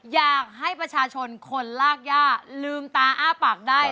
อยากให้ประชาชนคนลากย่าลืมตาอ้าปากได้